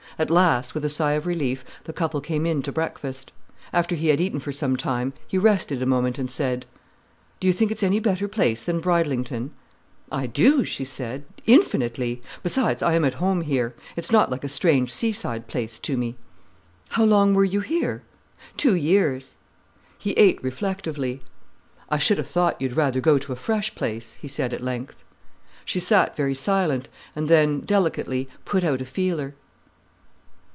At last, with a sigh of relief, the couple came in to breakfast. After he had eaten for some time, he rested a moment and said: "Do you think it's any better place than Bridlington?" "I do," she said, "infinitely! Besides, I am at home here—it's not like a strange seaside place to me." "How long were you here?" "Two years." He ate reflectively. "I should ha' thought you'd rather go to a fresh place," he said at length. She sat very silent, and then, delicately, put out a feeler.